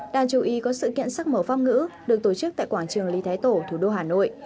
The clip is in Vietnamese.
đàn chú ý có sự kiện sắc mở phong ngữ được tổ chức tại quảng trường lý thái tổ thủ đô hà nội